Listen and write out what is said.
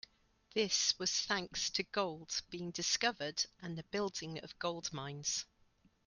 This was thanks to gold being discovered and the building of gold mines.